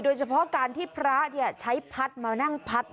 โดยเฉพาะการที่พระใช้พัดมานั่งพัด